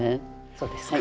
そうですか。